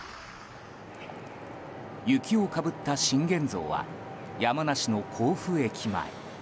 雪をかぶった信玄像は山梨の甲府駅前。